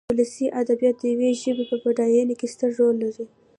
ولسي ادب د يوې ژبې په بډاينه کې ستر رول لري.